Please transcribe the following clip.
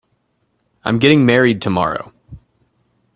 I'm getting married tomorrow.